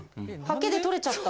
ハケで取れちゃった。